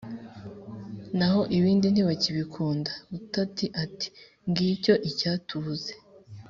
naho ibindi ntibakibikunda. Butati ati: “Ngicyo ikitabuze”.